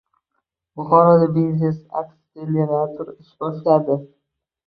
Buxoroda biznes akselerator ish boshladi